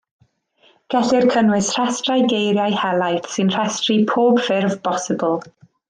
Gellir cynnwys rhestrau geiriau helaeth sy'n rhestru pob ffurf bosibl.